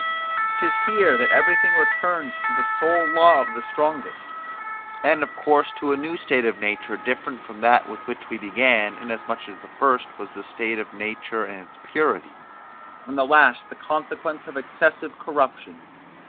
'Tis here that everything returns to the sole law of the strongest, and of course to a new state of nature different from that with which we began, in as much as the first was the state of nature in its purity, and the last the consequence of excessive corruption.